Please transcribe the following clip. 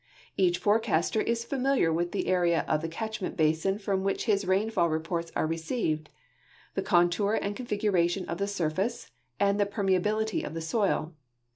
Each forecaster is familiar with the area of the catchment basin from which his rainfall reports are received, the contour and configu ration of the surface, and the jiermealhlity of the soil.